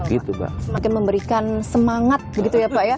semakin memberikan semangat begitu ya pak ya